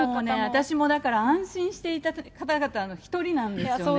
私もだから安心していた方々の１人なんですよね。